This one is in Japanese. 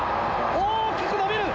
大きく伸びる！